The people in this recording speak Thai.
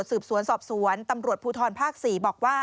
จังหวัดชุนบุรี